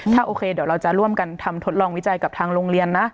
ถ้าโอเคเดี๋ยวเราจะร่วมกันทำทดลองวิจัยกับทางโรงเรียนนะ